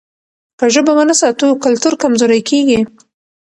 که ژبه ونه ساتو کلتور کمزوری کېږي.